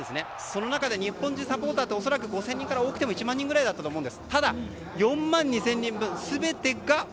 その中から日本人のサポーターは恐らく５０００人から多くても１万人だったかと思うんです。